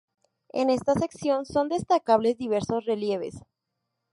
En esta sección son destacables diversos relieves.